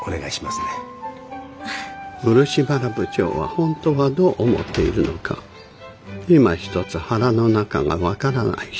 漆原部長は本当はどう思っているのかいまひとつ腹の中が分からない人です。